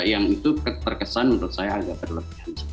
yang itu terkesan menurut saya agak berlebihan